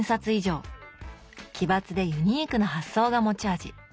奇抜でユニークな発想が持ち味。